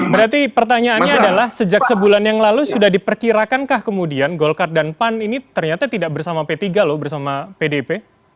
berarti pertanyaannya adalah sejak sebulan yang lalu sudah diperkirakankah kemudian golkar dan pan ini ternyata tidak bersama p tiga loh bersama pdp